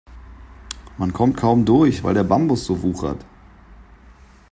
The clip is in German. Man kommt kaum durch, weil der Bambus so wuchert.